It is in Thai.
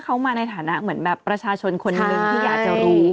เขามาในฐานะเหมือนแบบประชาชนคนหนึ่งที่อยากจะรู้